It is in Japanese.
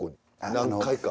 何回か。